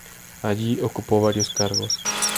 Allí, ocupó varios cargos.